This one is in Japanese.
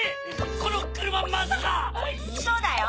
この車まさか⁉そうだよ！